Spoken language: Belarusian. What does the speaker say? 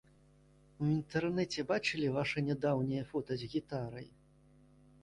У інтэрнэце бачылі ваша нядаўняе фота з гітарай?